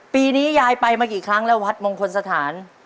ปีนี้ยายไปมากี่ครั้งแล้ววัดมงคลสถาน